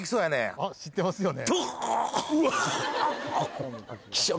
あっ知ってますよね